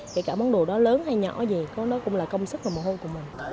kể cả món đồ đó lớn hay nhỏ gì có nó cũng là công sức và mồ hôi của mình